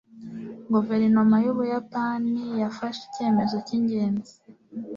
Guverinoma yUbuyapani yafashe icyemezo cyingenzi.